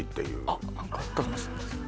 あ何かあったかもしんないっすね